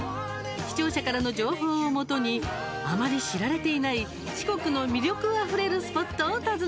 視聴者からの情報をもとにあまり知られていない四国の魅力あふれるスポットを訪ねます。